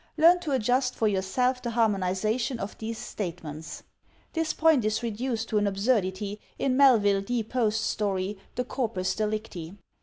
Learn to adjust for yourself the harmonization of these statements. This point is reduced to an absurdity in Melville D. Post's story, ''The Corpus Delicti."